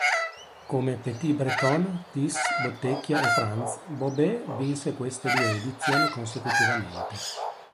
Come Petit-Breton, Thys, Bottecchia e Frantz, Bobet vinse queste due edizioni consecutivamente.